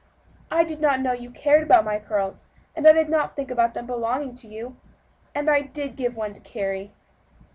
"I did not know you cared about my curls; I did not think about their belonging to you, and I did give one to Carry."